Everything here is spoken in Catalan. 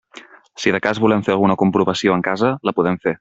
Si de cas volem fer alguna comprovació en casa, la podem fer.